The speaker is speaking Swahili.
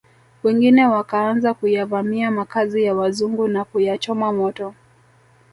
Wengine wakaanza kuyavamia makazi ya wazungu na kuyachoma moto